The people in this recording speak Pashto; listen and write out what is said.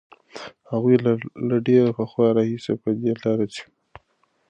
هغوی له ډېر پخوا راهیسې په دې لاره ځي.